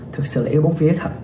thật sự là yếu bóng vía thật